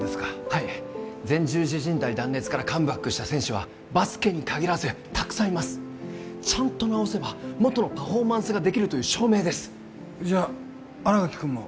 はい前十字靭帯断裂からカムバックした選手はバスケに限らずたくさんいますちゃんと治せば元のパフォーマンスができるという証明ですじゃあ新垣君も？